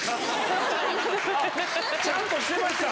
ちゃんとしてました